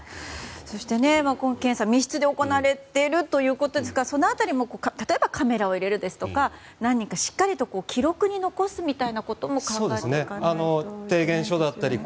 そして検査も密室で行われているということですがその辺りも例えばカメラを入れるですとか何かしっかりと記録に残すみたいなことも考えていかないと。